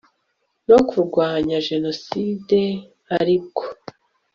no kurwanya jenoside aribwo